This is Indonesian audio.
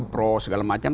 pro segala macam